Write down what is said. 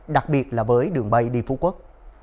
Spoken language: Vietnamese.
đặc biệt là với đường bay đi phú quốc